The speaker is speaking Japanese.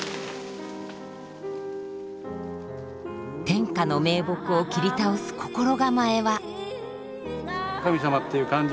天下の銘木を切り倒す心構えは。